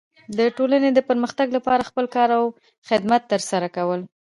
د ټولنې د پرمختګ لپاره خپل کار او خدمت ترسره کول.